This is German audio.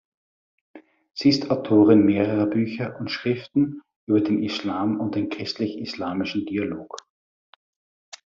Sie ist Autorin mehrerer Bücher und Schriften über den Islam und den christlich-islamischen Dialog.